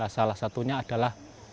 salah satunya adalah